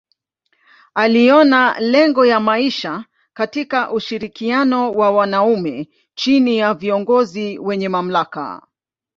Aliona lengo ya maisha katika ushirikiano wa wanaume chini ya viongozi wenye mamlaka.